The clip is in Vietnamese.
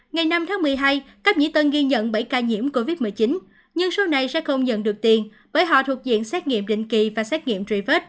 ngày năm tháng một mươi hai cấp nhĩ tân ghi nhận bảy ca nhiễm covid một mươi chín nhưng số này sẽ không nhận được tiền bởi họ thuộc diện xét nghiệm định kỳ và xét nghiệm truy vết